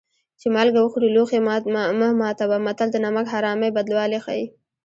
چې مالګه وخورې لوښی مه ماتوه متل د نمک حرامۍ بدوالی ښيي